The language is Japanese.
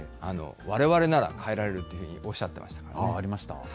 われわれなら変えられるっていうふうにおっしゃってましたけれども。